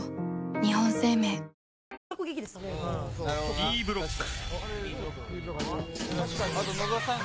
Ｂブロック。